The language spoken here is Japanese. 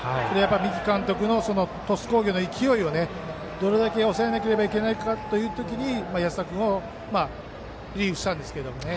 三木監督の鳥栖工業の勢いをどれだけ抑えなければいけないかという時に安田君をリリーフしたんですけど。